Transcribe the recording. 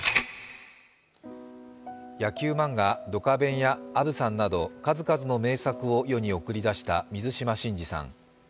野球漫画「ドカベン」や「あぶさん」など数々の名作を世に送り出した水島新司さん。